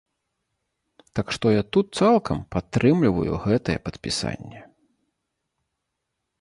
Так што я тут цалкам падтрымліваю гэтае падпісанне.